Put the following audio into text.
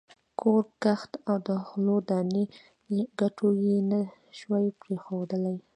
کور، کښت او د غلو دانو کوټې یې نه شوای پرېښودلای.